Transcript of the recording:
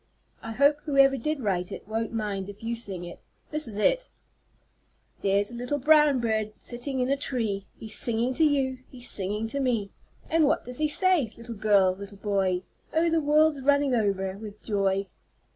I hope whoever did write it won't mind if you sing it. This is it: "There's a little brown bird sitting up in a tree, He's singing to you he's singing to me. And what does he say, little girl little boy? Oh, the world's running over with joy!"